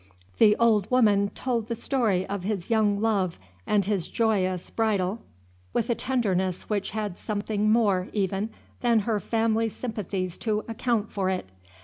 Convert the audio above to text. The old woman told the story of his young love and his joyous bridal with a tenderness which had something more, even, than her family sympathies to account for it.